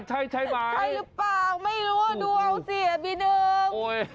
ใช่หรือเปล่าไม่รู้ดูเอาสิบีหนึ่ง